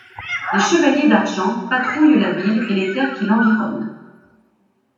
Les chevaliers d'Argent patrouillent la ville et les terres qui l'environnent.